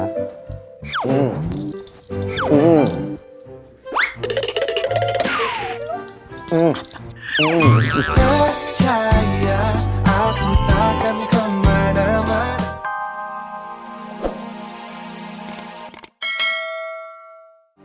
aku takkan kemana mana